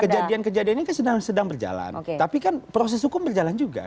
kejadian kejadian ini kan sedang berjalan tapi kan proses hukum berjalan juga